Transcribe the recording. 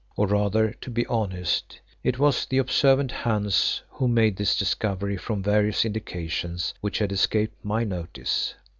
Or rather, to be honest, it was the observant Hans who made this discovery from various indications which had escaped my notice.